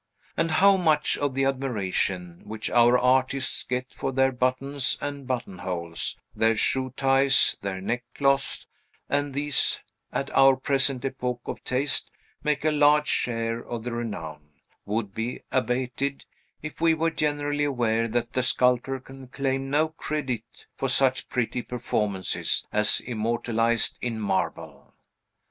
And how much of the admiration which our artists get for their buttons and buttonholes, their shoe ties, their neckcloths, and these, at our present epoch of taste, make a large share of the renown, would be abated, if we were generally aware that the sculptor can claim no credit for such pretty performances, as immortalized in marble!